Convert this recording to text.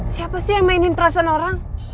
siapa sih yang mainin perasaan orang